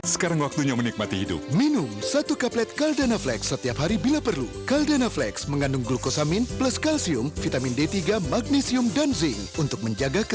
sampai jumpa di video selanjutnya